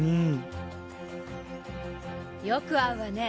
よく会うわね。